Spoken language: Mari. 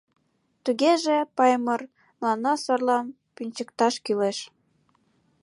Тугеже, Паймыр, мыланна сорлам пӱнчыкташ кӱлеш.